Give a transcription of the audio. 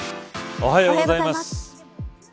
おはようございます。